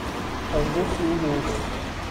Heddwch i'w lwch.